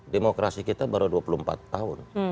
demokrasi kita baru dua puluh empat tahun